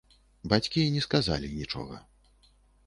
Бацькі не сказалі нічога.